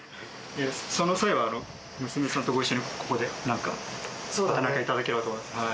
その際は娘さんとご一緒にここで何かいただければと思います。